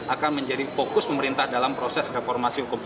akan menjadi fokus pemerintah dalam proses reformasi hukum